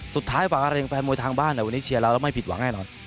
สุดท้ายไปครับการเล็งแฟลง้วนทางบ้านวันนี้เชียวแล้วไม่ผิดหวังแน่นอน